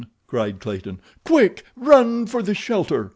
cried Clayton. "Quick! Run for the shelter!"